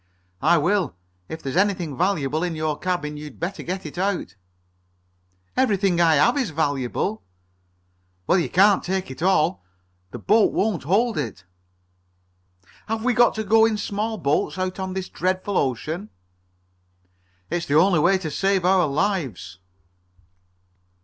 "I will. If there's anything valuable in your cabin, you'd better get it out." "Everything I have is valuable." "Well, you can't take it all. The boat won't hold it." "Have we got to go in small boats out on this dreadful ocean?" "It's the only way to save our lives."